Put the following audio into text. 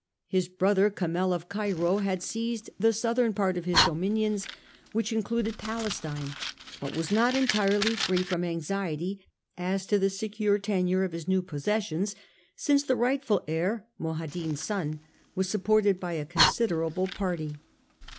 His brother, Kamel of Cairo, had seized the southern portion of his dominions, which included Palestine, but was not entirely free from anxiety as to the secure tenure of his new possessions, since the rightful heir, Moadhin's son, was supported by a con siderable party.